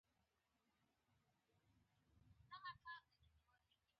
بانکونه د مخابراتي خدمتونو په تادیه کې مرسته کوي.